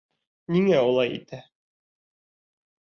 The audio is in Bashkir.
Ниңә улай итә?